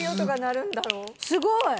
すごいね！